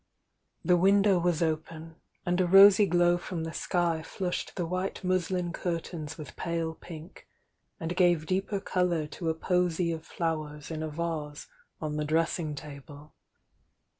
The window was open, and a rosy glow from the sk\ flushed the white muslin curtains with pale pink, and gave deeper colour to a posy of flowers in a vase on the dressing table.